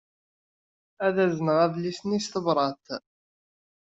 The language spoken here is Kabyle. Ad azneɣ adlis-nni s tebṛat.